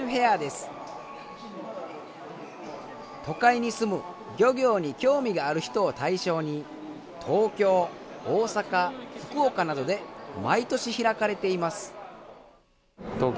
都会に住む漁業に興味がある人を対象に東京大阪福岡などで毎年開かれています。